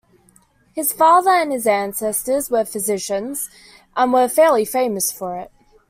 His father and his ancestors were physicians and were fairly famous for it.